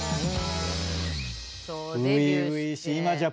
初々しい。